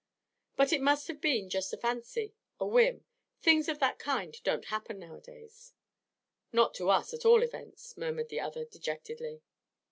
'But it must have been just a fancy, a whim. Things of that kind don't happen nowadays.' 'Not to us, at all events,' murmured the other dejectedly.